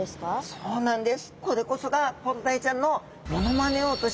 そうなんです。